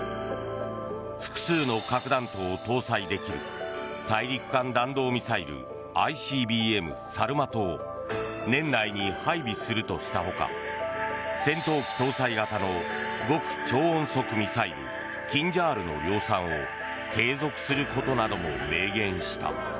複数の核弾頭を搭載できる大陸間弾道ミサイル・ＩＣＢＭサルマトを年内に配備するとした他戦闘機搭載型の極超音速ミサイルキンジャールの量産を継続することなども明言した。